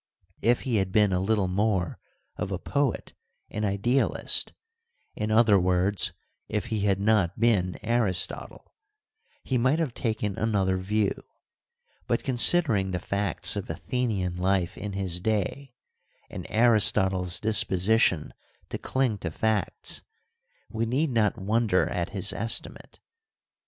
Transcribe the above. If he had been a little more of a poet and idealist — in other words, if he had not been Aristotle — he might have taken another view ; but considering the facts of Athenian life in his day, and Aristotle's disposition to cling to facts, we need not wonder at his estimate.